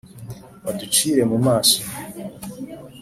baducire mu maso